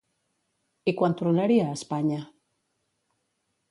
I quan tornaria a Espanya?